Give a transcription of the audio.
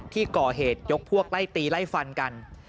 ที่ก่อเหตุยกพวกไล่ตีไล่ฟันกัน